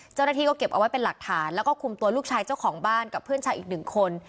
เจ้าหน้าที่ก็เก็บเอาไว้เป็นหลักฐานแล้วก็คุมตัวลูกชายเจ้าของบ้านกับเพื่อนชายอีกหนึ่งคน